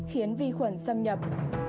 khiến vi khuẩn xâm nhập